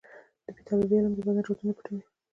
د پیتالوژي علم د بدن رازونه پټوي.